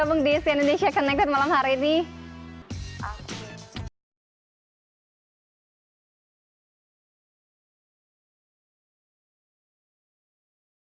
udah bergabung deh